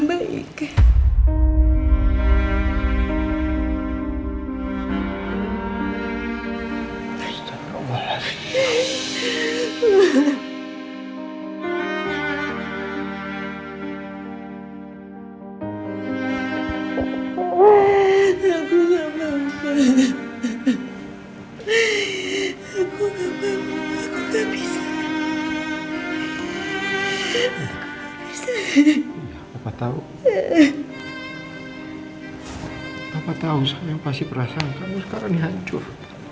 apa tau sayang pasti perasaan kamu sekarang hancur